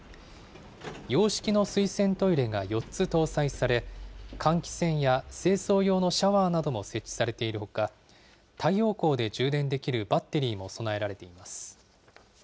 洋式の水洗トイレが４つ搭載され、換気扇や清掃用のシャワーなども設置されているほか、太陽光で充電できるバッテリーも備えられています。